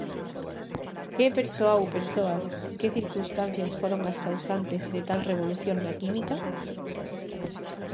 Que persoa ou persoas, que circunstancias foron as causantes de tal revolución na química?